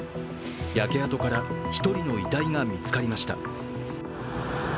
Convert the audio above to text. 焼け跡から１人の遺体が見つかりました。